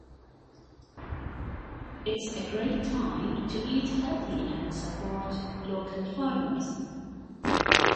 It is a great time to eat healthy and support local farmers.